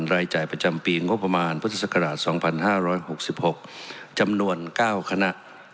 รายจ่ายประจำปีงบประมาณพุทธศักราช๒๕๖๖จำนวน๙คณะ